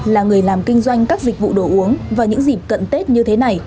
là người làm kinh doanh các dịch vụ đổ uống và những dịp cận tết như thế này